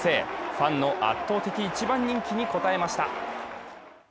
ファンの圧倒的１番人気に応えました。